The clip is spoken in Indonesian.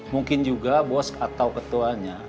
mungkin juga bos atau ketuanya